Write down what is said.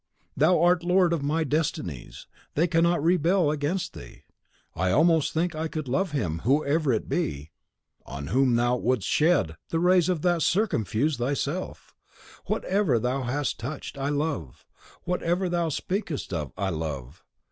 Thou art lord of my destinies; they cannot rebel against thee! I almost think I could love him, whoever it be, on whom thou wouldst shed the rays that circumfuse thyself. Whatever thou hast touched, I love; whatever thou speakest of, I love.